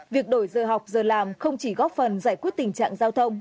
việc đổi giờ học giờ làm không chỉ góp phần giải quyết tình trạng giao thông